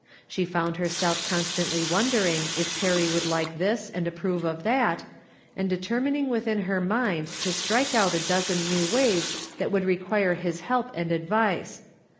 She found herself constantly wondering if Perry would like this and approve of that, and determining within her mind to strike out in a dozen new ways that would require his help and advice.